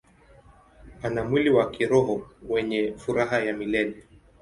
Ana mwili wa kiroho wenye furaha ya milele.